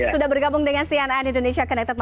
sudah bergabung dengan cnn indonesia connected